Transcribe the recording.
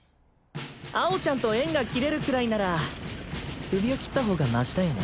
アオちゃんと縁が切れるくらいなら首を切ったほうがマシだよね